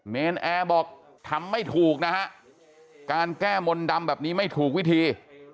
เนรนแอร์บอกทำไม่ถูกนะฮะการแก้มนต์ดำแบบนี้ไม่ถูกวิธี